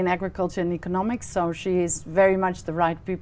và tôi có một câu hỏi cho các bạn